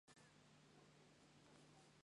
详见音高。